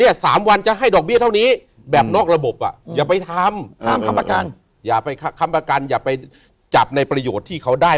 คำประกันอย่าไปจับในประโยชน์ที่เขาได้